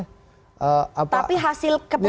tapi hasil keputusan